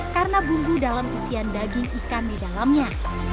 karena bumbu dalam isian daging ikan di dalamnya